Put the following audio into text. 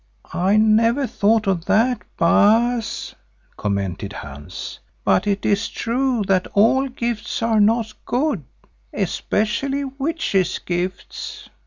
"I never thought of that, Baas," commented Hans, "but it is true that all gifts are not good, especially witches' gifts."